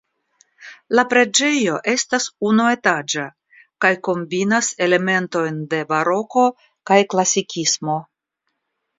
La preĝejo estas unuetaĝa kaj kombinas elementojn de baroko kaj klasikismo.